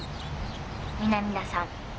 南田さん